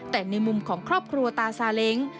แต่ในมุมของครอบครัวตาซาเล้ง